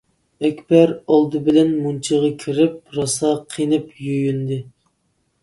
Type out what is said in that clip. ئەكبەر ئالدى بىلەن مۇنچىغا كېرىپ راسا قېنىپ يۇيۇندى.